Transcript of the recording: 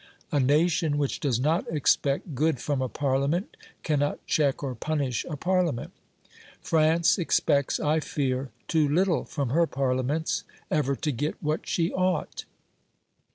A nation which does not expect good from a Parliament, cannot check or punish a Parliament. France expects, I fear, too little from her Parliaments ever to get what she ought.